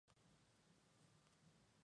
Actualmente dirige al Dinamo Zagreb.